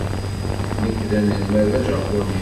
Nekk d anelmad ajapuni.